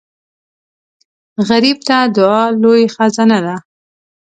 غریب ته دعا لوی خزانه ده